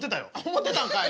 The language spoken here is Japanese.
思ってたんかい。